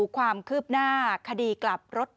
ความคืบหน้าคดีกลับรถ